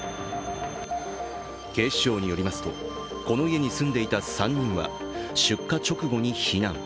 警視庁によりますとこの家に住んでいた３人は出火直後に避難。